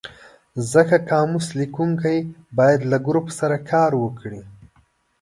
ځکه قاموس لیکونکی باید له ګروپ سره کار وکړي.